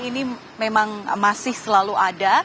ini memang masih selalu ada